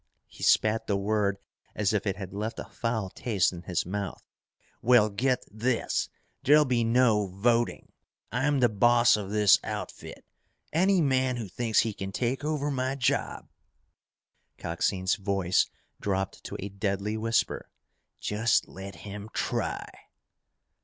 He spat the word as if it had left a foul taste in his mouth. "Well, get this. There'll be no voting! I'm the boss of this outfit! Any man who thinks he can take over my job," Coxine's voice dropped to a deadly whisper, "_just let him try!